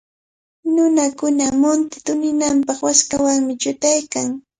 Nunakuna munti tuninanpaq waskawanmi chutaykan.